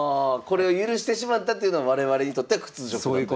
これを許してしまったというのは我々にとっては屈辱だという。